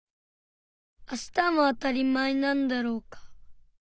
あしたもあたりまえなんだろうか？